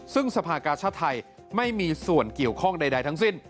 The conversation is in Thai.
ซึ่งสภากาชาติไทยไม่มีส่วนเกี่ยวข้องใดทั้งสิ้น